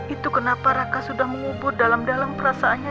itu kenapa raka sudah mengubur dalam dalam perasaannya